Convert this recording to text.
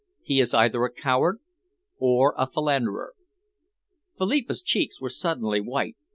He is either a coward or a philanderer." Philippa's cheeks were suddenly white.